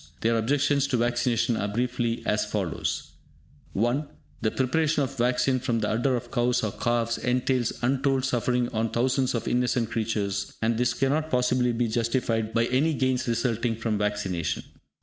Their objections to vaccination are briefly as follows: (1) The preparation of the vaccine from the udder of cows or calves entails untold suffering on thousands of innocent creatures, and this cannot possibly be justified by any gains resulting from vaccination.